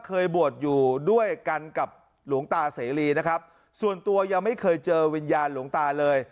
เคยบวชอยู่ด้วยกันกับหลวงตาเสรีนะครับส่วนตัวยังไม่เคยเจอวิญญาณหลวงตาเลย